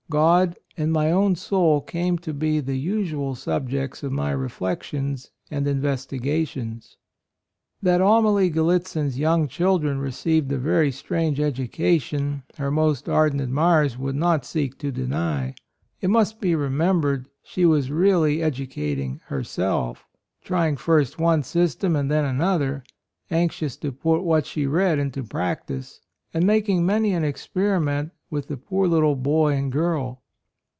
God and my own soul came to be the usual sub jects of my reflections and in vestigations." That Amalie Gallitzin's young children received a very strange education her most ardent ad mirers would not seek to deny. It must be remembered she was really educating herself— trying first one system and then another, anxious to put what she read into practice, and making many an experiment with the poor little boy and girl.